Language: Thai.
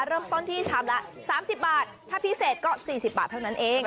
เริ่มต้นที่ชามละ๓๐บาทถ้าพิเศษก็๔๐บาทเท่านั้นเอง